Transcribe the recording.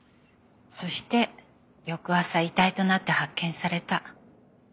そして翌朝遺体となって発見された。